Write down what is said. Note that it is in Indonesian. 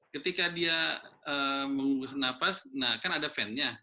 ketika dia mengunggah nafas nah kan ada ventnya